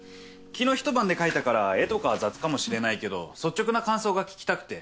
昨日一晩で描いたから絵とかは雑かもしれないけど率直な感想が聞きたくて。